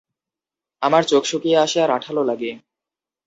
আমার চোখ শুকিয়ে আসে আর আঠালো লাগে।